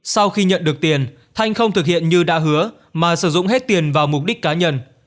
sau khi nhận được tiền thanh không thực hiện như đã hứa mà sử dụng hết tiền vào mục đích cá nhân